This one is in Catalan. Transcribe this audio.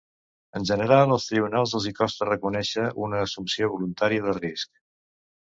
En general els tribunals els hi costa reconèixer una assumpció voluntària del risc.